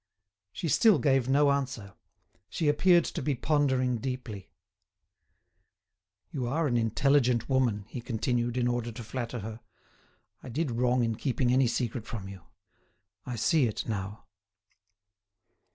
She still gave no answer. She appeared to be pondering deeply. "You are an intelligent woman," he continued, in order to flatter her, "I did wrong in keeping any secret from you; I see it now."